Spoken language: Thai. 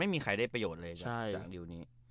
ไม่มีใครขายได้ประโยชน์เลยจากรีว